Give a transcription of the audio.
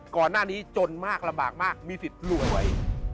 ก่อนหน้านี้จนมากลำบากมากมีสิทธิ์รวย